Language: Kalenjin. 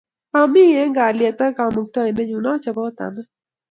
Ami eng' kalyet ak Kamuktaindet nyun. Achobot ame.